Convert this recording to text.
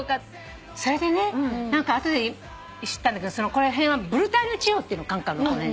それでね後で知ったんだけどこの辺はブルターニュ地方っていうのカンカルのこの辺。